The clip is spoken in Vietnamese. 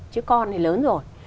chứ con thì lớn rồi